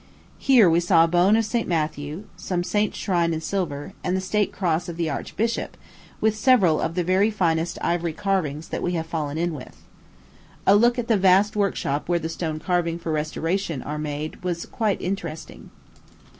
Here we saw a bone of St. Matthew some saint's shrine in silver, and the state cross of the archbishop, with several of the very finest ivory carvings that we have fallen in with. A look at the vast workshop where the stone carvings for restoration are made was quite interesting.